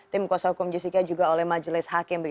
tim kuasa hukum jessica juga oleh majelis hakim